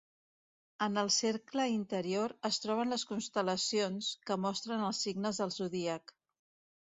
En el cercle interior, es troben les constel·lacions, que mostren els signes del zodíac.